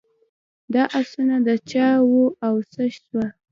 دا آسونه د چا وه او څه سوه.